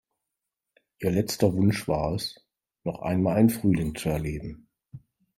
Ihr letzter Wunsch war es, noch einmal einen Frühling zu erleben.